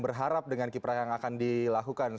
berharap dengan kiprah yang akan dilakukan